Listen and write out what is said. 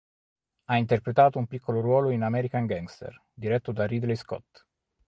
Ha interpretato un piccolo ruolo in "American Gangster", diretto da Ridley Scott.